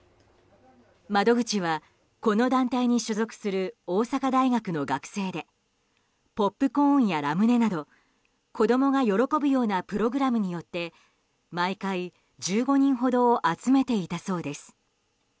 窓口は、この団体に所属する大阪大学の学生でポップコーンやラムネなど子供が喜ぶようなプログラムによって毎回、１５人ほどを集めていたそうです。